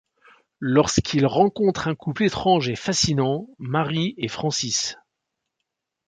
Lorsqu'ils rencontrent un couple étrange et fascinant, Marie et Francis.